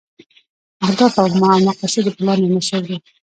اهداف او مقاصد د پلان عناصر دي.